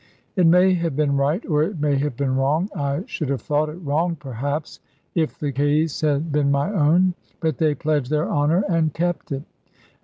It may have been right, or it may have been wrong I should have thought it wrong, perhaps, if the case had been my own but they pledged their honour and kept it.